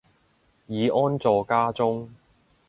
已安坐家中